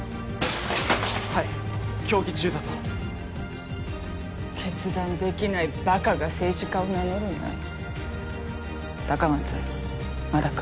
はい協議中だと決断できないバカが政治家を名乗るな高松まだか？